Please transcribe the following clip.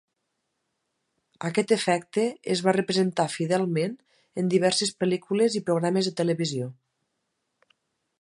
Aquest efecte es va representar fidelment en diverses pel·lícules i programes de televisió.